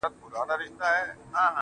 د ښار د تقوا دارو ملا هم دی خو ته نه يې~